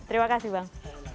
terima kasih bang